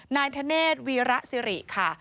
นายธเนธวีระสิริค่ะ